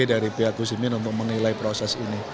dari pihak kusimin untuk menilai proses ini